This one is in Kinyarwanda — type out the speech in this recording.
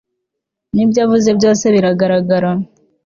n'ibyo avuze byose birigaragaza